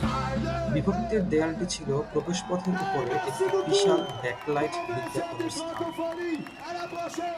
বিভক্তির দেয়ালটি ছিল প্রবেশপথের উপরে একটি বিশাল ব্যাকলাইট বিজ্ঞাপনের স্থান।